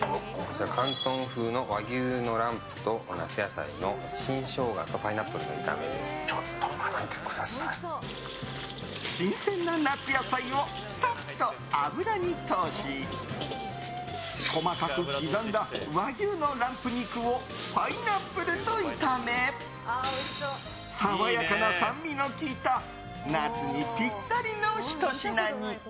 広東風の和牛のランプと夏野菜の新生姜と新鮮な夏野菜をサッと油に通し細かく刻んだ和牛のランプ肉をパイナップルと炒め爽やかな酸味の効いた夏にぴったりのひと品に。